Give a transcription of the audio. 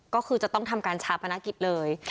ก็คือจะต้องทำการชาปนกิจเลย